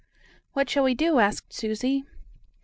"What shall we do?" asked Susie.